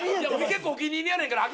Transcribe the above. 結構お気に入りやねんから。